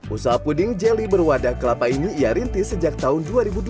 usaha puding jeli berwadah kelapa ini ia rintis sejak tahun dua ribu dua